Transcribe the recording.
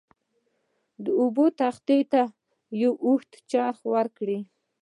اوبو تختې ته یو اوږد څرخ ورکړ.